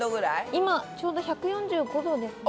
今ちょうど１４５℃ですね。